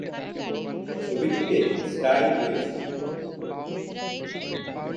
ছবিটিতে স্টাইল রয়েছে।